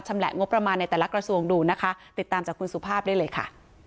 แหละงบประมาณในแต่ละกระทรวงดูนะคะติดตามจากคุณสุภาพได้เลยค่ะ